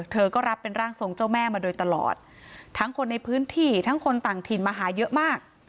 เธอก็รับเป็นร่างทรงเจ้าแม่มาโดยตลอดทั้งคนในพื้นที่ทั้งคนต่างถิ่นมาหาเยอะมาก